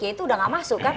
ya itu udah gak masuk kat